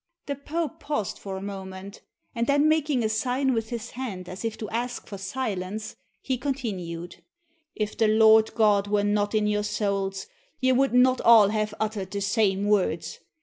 The Pope paused for a moment; and then making a sign with his hand as if to ask for silence, he continued, "If the Lord God were not in your souls, ye would not all have uttered the same words.